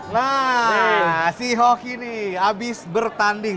nah si hoki nih habis bertanding